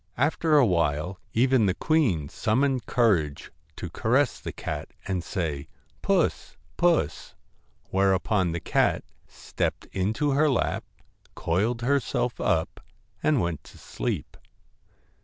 After a while even the queen summoned courage to caress the cat, and say :' Puss ! Puss !' whereupon the cat stepped into her lap, coiled herself up, and went to sleep.